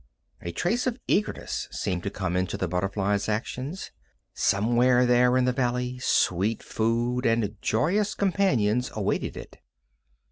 A trace of eagerness seemed to come into the butterfly's actions. Somewhere there in the valley sweet food and joyous companions awaited it.